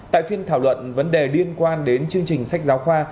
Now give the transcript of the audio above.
tại phiên thảo luận vấn đề liên quan đến chương trình sách giáo khoa